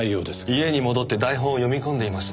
家に戻って台本を読み込んでいました。